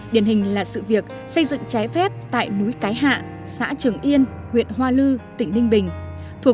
điển hình là sự việc xây dựng trái phép tại núi cái hạ xã trường yên huyện hoa lư tỉnh ninh bình